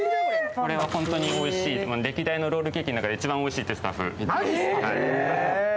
これは本当においしい、歴代のロールケーキの中で一番おいしいといわれてます。